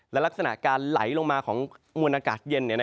และลักษณะการไหลลงมาของมวลอากาศเย็น